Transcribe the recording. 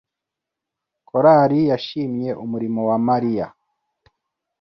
Karoli yashimye umurimo wa Mariya.